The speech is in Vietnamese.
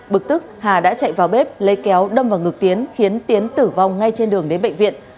bực tức hà đã chạy vào bếp lấy kéo đâm vào ngực tiến khiến tiến tử vong ngay trên đường đến bệnh viện